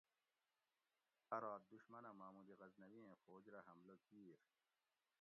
اَ رات دُشمنہ محمود غزنوی ایں فوج رہ حملہ کیِر